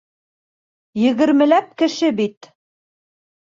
Егермеләп кеше бит.